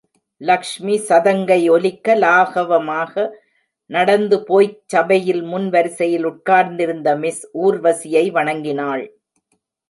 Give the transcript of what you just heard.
லக்ஷ்மி சதங்கை ஒலிக்க லாகவமாக நடந்து போய்ச் சபையில் முன் வரிசையில் உட்கார்ந்திருந்த மிஸ் ஊர்வசியை வணங்கினாள்.